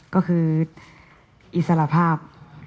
ก็คืออิสระภาพ